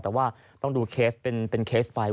แต่ว่าต้องดูเคสเป็นเคสไป